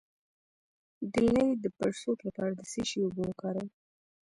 د لۍ د پړسوب لپاره د څه شي اوبه وکاروم؟